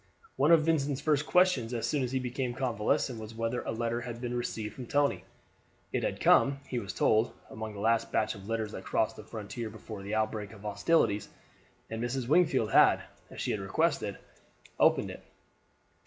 One of Vincent's first questions as soon as he became convalescent was whether a letter had been received from Tony. It had come, he was told, among the last batch of letters that crossed the frontier before the outbreak of hostilities, and Mrs. Wingfield, had, as he had requested, opened it.